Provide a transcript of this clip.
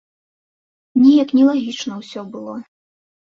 Неяк нелагічна ўсё было.